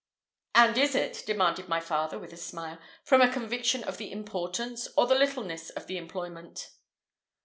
"And is it," demanded my father with a smile, "from a conviction of the importance, or the littleness of the employment?"